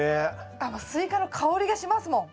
スイカの香りがしますもん。